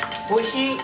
おいしい！